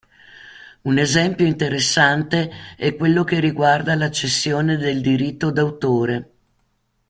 Un esempio interessante è quello che riguarda la cessione del diritto d'autore.